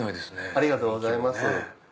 ありがとうございます。